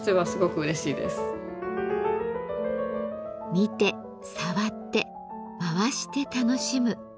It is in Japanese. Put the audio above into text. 見て触って回して楽しむ。